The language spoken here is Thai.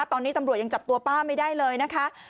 ตอนนี้ตำรวจยังจับตัวป้าไม่ได้เลยนะคะ